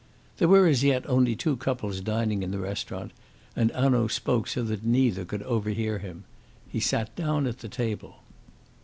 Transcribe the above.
There were as yet only two couples dining in the restaurant, and Hanaud spoke so that neither could overhear him. He sat down at the table.